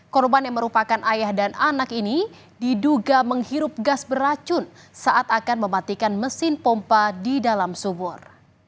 korban yang merupakan ayah dan anak ini diduga menghirup gas beracun saat akan mematikan mesin pompa di dalam sumur